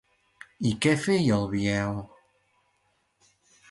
I què feia el Biel?